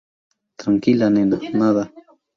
tranquila, nena. nada.